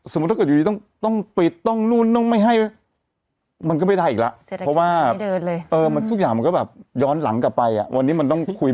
สมมุติต้องไปร่วมงานสักงานนึงอะคุณจะต้องคุย